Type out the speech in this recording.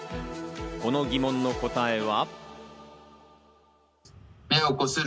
この疑問の答えは？